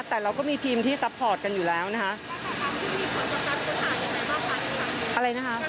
แต่เราก็มีทีมที่ซัพพอร์ตกันอยู่แล้วนะคะ